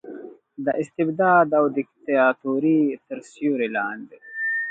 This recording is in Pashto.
د استبداد او دیکتاتورۍ تر سیورې لاندې